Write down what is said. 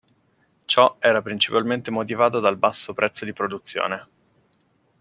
Ciò era principalmente motivato dal basso prezzo di produzione.